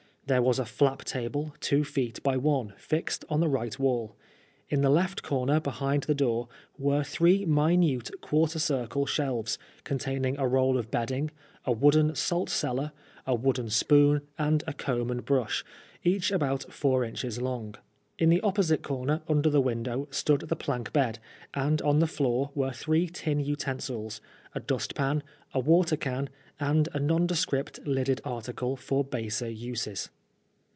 There was' a flap table, two feet by one, fixed on the right wall. In the left corner behind the door were three minute quarter circle shelves, contain ing a roll of bedding, a wooden salt cellar, a wooden spoon, and a comb and brush, each about four inches long. In the opposite comer under the window stood the plank bed, and on the floor were three tin utensils PSI80N lilFE. 125 —a dnst pan, a water can, and a nondescript lidded article for baser uses.